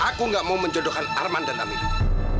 aku gak mau menjodohkan arman dan amin